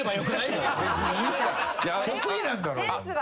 得意なんだろう。